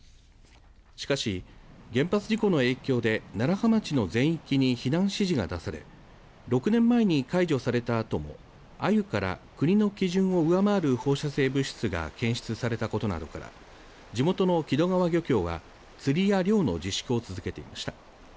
しかし、原発事故の影響で楢葉町の全域に避難指示が出され６年前に解除されたあとも、アユから国の基準を上回る放射性物質が検出されたことなどから地元の木戸川漁協は釣りや漁の自粛を続けていました。